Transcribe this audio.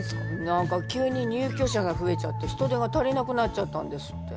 なんか急に入居者が増えちゃって人手が足りなくなっちゃったんですって。